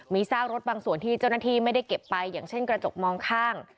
มีซากรถบางส่วนที่เจ้าหน้าที่ไม่ได้เก็บไปอย่างเช่นกระจกมองข้าง